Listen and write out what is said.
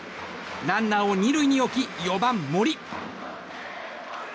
ランナーを２塁に置き４番、森。